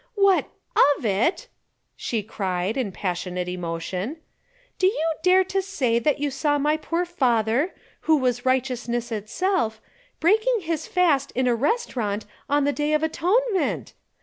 "What of it?" she cried, in passionate emotion. "Do you dare to say that you saw my poor father, who was righteousness itself, breaking his fast in a restaurant on the Day of Atonement?